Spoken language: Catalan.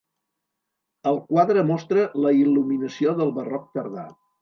El quadre mostra la il·luminació del barroc tardà.